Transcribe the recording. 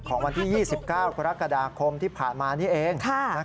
วันที่๒๙กรกฎาคมที่ผ่านมานี้เอง